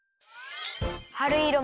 はるいろ